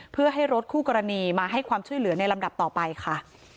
เพื่อให้รถคู่กรณีมาให้ความช่วยเหลือในลำดับต่อไปค่ะ